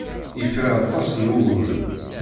Yefra aṭas n wuguren.